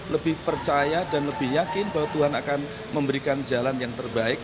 lebih percaya dan lebih yakin bahwa tuhan akan memberikan jalan yang terbaik